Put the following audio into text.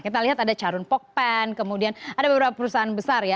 kita lihat ada carun pokpen kemudian ada beberapa perusahaan besar ya